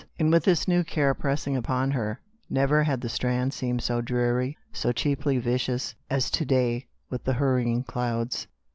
And with this new care pressing upon her, never had the Strand seemed so dreary, so cheaply vicious, as to day under the hurrying clouds.